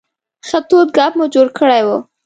ښه تود ګپ مو جوړ کړی و.